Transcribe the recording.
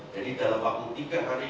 jadi dalam waktu tiga hari